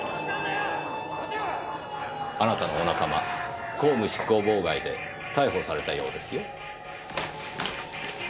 あなたのお仲間公務執行妨害で逮捕されたようですよ。